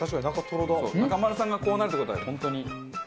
中丸さんがこうなるって事は本当に。